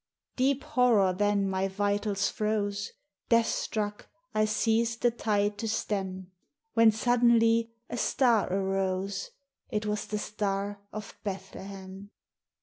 Deep horror then mv vitals froze, Death struck, I ceased the tide to stem ; When suddenly a star arose, — It was the Star of Bethlehem.